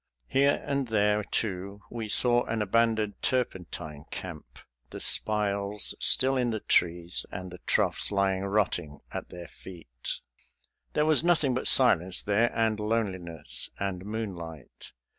Here and there, too, we saw an abandoned turpentine camp, the spiles still in the trees and the troughs lying rotting at their feet. There was nothing but silence there, and loneliness, and moonlight.